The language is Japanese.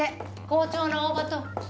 校長の大場と。